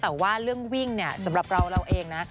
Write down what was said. แต่ว่าเรื่องวิ่งเนี่ยสำหรับเราเราเองนะ